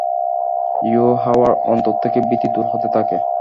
ইউহাওয়ার অন্তর থেকে ভীতি দূর হতে থাকে।